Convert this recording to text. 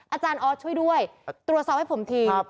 อาจารย์ออสช่วยด้วยตรวจสอบให้ผมที